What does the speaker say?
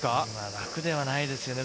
楽ではないですよね。